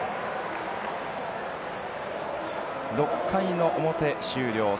６回の表終了。